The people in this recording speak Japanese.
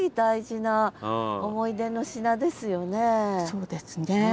そうですね。